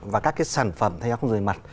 và các cái sản phẩm thanh toán không dùng tiền mặt